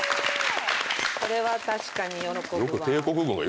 これは確かに喜ぶわ。